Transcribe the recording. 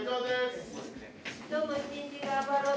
今日も一日頑張ろう。